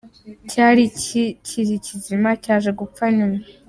cyari kikiri kizima cyaje gupfa nyuma.